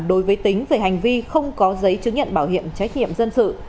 đối với tính về hành vi không có giấy chứng nhận bảo hiểm trách nhiệm dân sự